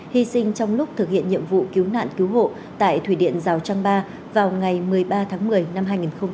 hy sinh trong lúc thực hiện nhiệm vụ cứu nạn cứu hộ tại thủy điện rào trang ba vào ngày một mươi ba tháng một mươi năm hai nghìn một mươi chín